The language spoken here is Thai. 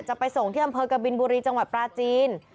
จะไปส่งที่บิลบุรีจังหวัดปลาจีน